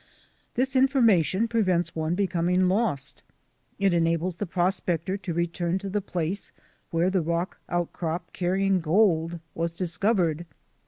This information prevents one becoming lost. It enables the prospector to return to the place where the rock outcrop carrying gold was dis covered.